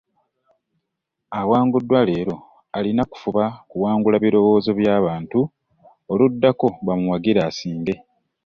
Awanguddwa leero alina kufuba kuwangula birowoozo by’abantu oluddako bamuwagire asinge.